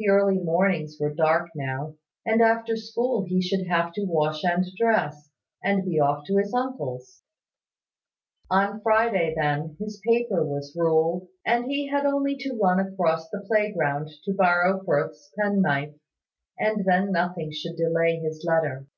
The early mornings were dark now; and after school he should have to wash and dress, and be off to his uncle's. On Friday then, his paper was ruled, and he had only to run across the playground to borrow Firth's penknife, and then nothing should delay his letter.